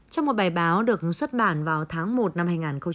trong một bài báo được xuất bản vào tháng một năm hai nghìn một mươi chín